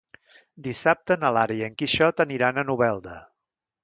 Dissabte na Lara i en Quixot aniran a Novelda.